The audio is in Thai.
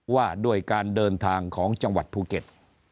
ว่าด้วยการเดินทางของจังหวัดภูเก็ต